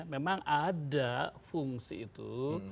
memang ada fungsi itu